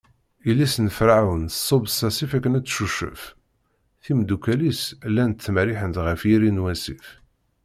Yelli-s n Ferɛun tṣubb s asif akken Ad tcucef, timeddukal-is llant ttmerriḥent ɣef yiri n wasif.